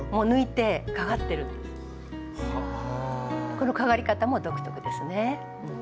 このかがり方も独特ですね。